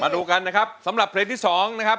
ดูกันนะครับสำหรับเพลงที่๒นะครับ